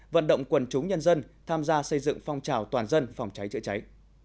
vận động quần chúng nhân dân tham gia xây dựng phong trào toàn dân phòng cháy chữa cháy